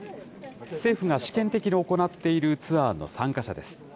政府が試験的に行っているツアーの参加者です。